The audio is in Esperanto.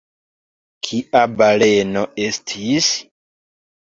Kia baleno estis?